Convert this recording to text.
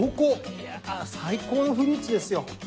いや最高のフルーツですよ。